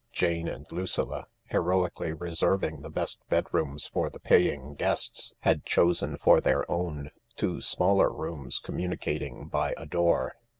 Jane and Lucilla, heroi cally reserving the best bedrooms for the paying guests, had chosen for their own two smaller rooms communicating by a door.